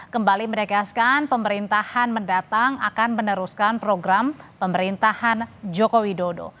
kembali menegaskan pemerintahan mendatang akan meneruskan program pemerintahan joko widodo